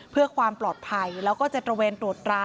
เพื่อความปลอดภัยแล้วก็จะตระเวนตรวจรา